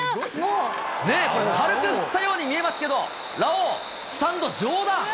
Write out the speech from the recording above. これ、軽く振ったように見えますけど、ラオウ、スタンド上段。